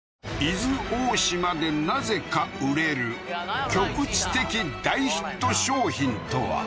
伊豆大島でなぜか売れる局地的大ヒット商品とは？